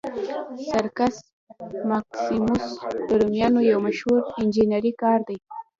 سرکس ماکسیموس د رومیانو یو مشهور انجنیري کار دی.